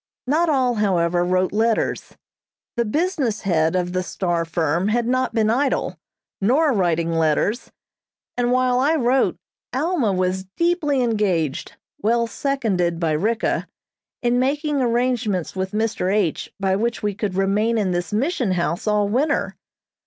Not all, however, wrote letters. The business head of the "Star" firm had not been idle, nor writing letters, and while I wrote Alma was deeply engaged, well seconded by Ricka, in making arrangements with Mr. H. by which we could remain in this Mission House all winter.